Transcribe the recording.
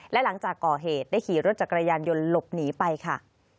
และหลังจากก่อเหตุได้ขี่รถจักรยานยนต์หลบหนีไปค่ะ